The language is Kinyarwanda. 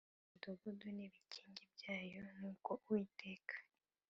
iyi midugudu n ibikingi byayo nk uko Uwiteka